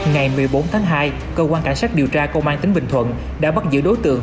ngày một mươi bốn tháng hai cơ quan cảnh sát điều tra công an tỉnh bình thuận đã bắt giữ đối tượng